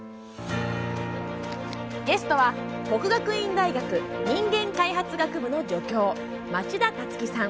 ゲストは國學院大学人間開発学部の助教町田樹さん。